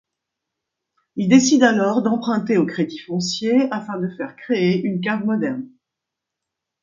Il décide alors d’emprunter au crédit foncier afin de faire créer une cave moderne.